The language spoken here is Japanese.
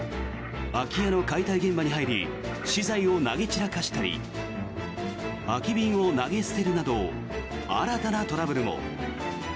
空き家の解体現場に入り資材を投げ散らかしたり空き瓶を投げ捨てるなど新たなトラブルも。